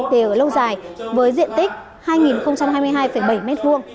thì ở lâu dài với diện tích hai hai mươi hai bảy m hai